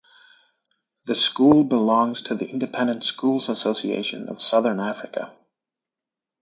The school belongs to the Independent Schools Association of Southern Africa.